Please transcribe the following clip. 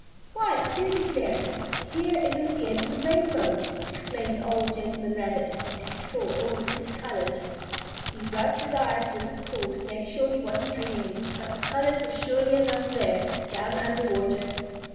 "Why, I do declare, if here isn't the end of the rainbow!" exclaimed the old gentleman rabbit, as he saw all the pretty colors. He rubbed his eyes with his paw, to make sure he wasn't dreaming, but the colors were surely enough there, down under water.